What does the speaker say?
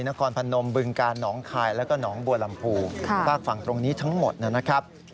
นครพนมบึงกาลหนองคายแล้วก็หนองบัวลำพูฝากฝั่งตรงนี้ทั้งหมดนะครับ